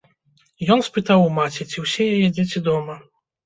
Ён спытаў у маці, ці ўсе яе дзеці дома.